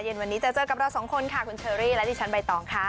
วันนี้จะเจอกับเราสองคนค่ะคุณเชอรี่และดิฉันใบตองค่ะ